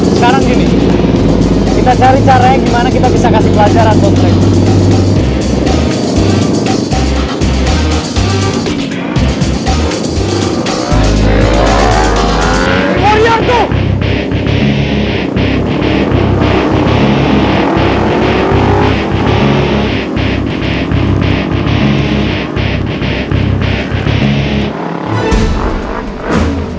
sekarang gini kita cari caranya gimana kita bisa kasih pelajaran untuk mereka